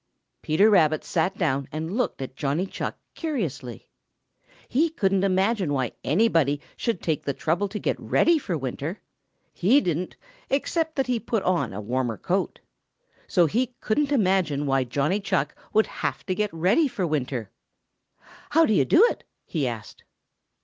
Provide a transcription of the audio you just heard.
Peter Rabbit sat down and looked at Johnny Chuck curiously. He couldn't understand why anybody should take the trouble to get ready for winter. He didn't, excepting that he put on a warmer coat. So he couldn't imagine why Johnny Chuck should have to get ready for winter. "How do you do it?" he asked.